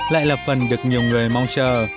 lại là phần được nhiều người mong chờ